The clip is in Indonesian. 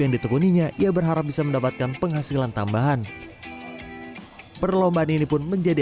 yang ditekuninya ia berharap bisa mendapatkan penghasilan tambahan perlombaan ini pun menjadi